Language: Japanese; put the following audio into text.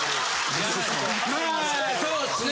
まぁそうですね。